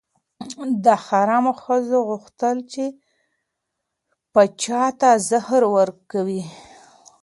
د حرم ښځو غوښتل چې پاچا ته زهر ورکړي.